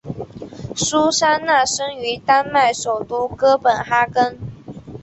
苏珊娜生于丹麦首都哥本哈根。